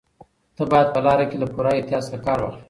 ته باید په لاره کې له پوره احتیاط څخه کار واخلې.